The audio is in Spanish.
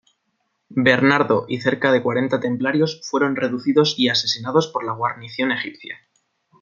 Bernardo y cerca de cuarenta Templarios fueron reducidos y asesinados por la guarnición egipcia.